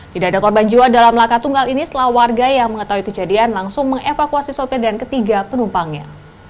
tidak ada korban jiwa dalam laka tunggal ini setelah warga yang mengetahui kejadian langsung mengevakuasi sopir dan ketiga penumpangnya